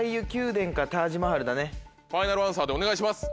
ファイナルアンサーでお願いします。